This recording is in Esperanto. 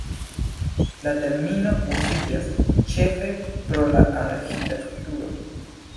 La termino uziĝas ĉefe por la arĥitekturo.